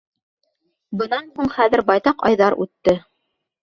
Бынан һуң хәҙер байтаҡ айҙар үтте.